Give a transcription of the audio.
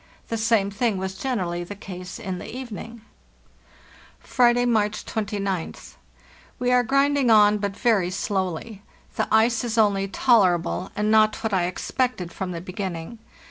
The same thing was generally the case in the evening. "Friday, March 29th. We are grinding on, but very slowly. The ice is only tolerable, and not what I ex pected from the beginning.